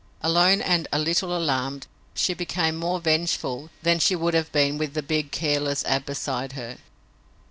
Alone and a little alarmed, she became more vengeful than she would have been with the big, careless Ab beside her.